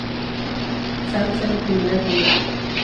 Sands era un criminal convicto.